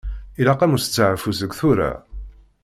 Ilaq-am usteɛfu seg tura.